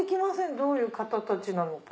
どういう方たちなのか。